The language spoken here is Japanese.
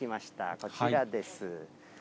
こちらです。